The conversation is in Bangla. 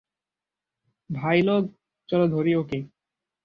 ভাইলোগ, চলো ধরি ওকে।